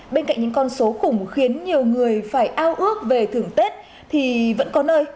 bên cạnh những con số khủng khiến nhiều người phải ao ước về thưởng tết thì vẫn có nơi